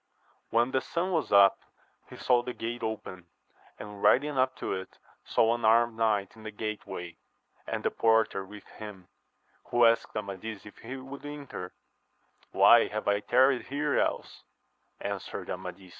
When the sun was up he saw the gate open, and riding up to it saw an armed knight in the gateway, and the porter with him, who asked Amadis if he would enter 1 Why have I tarried here else 1 answered Amadis.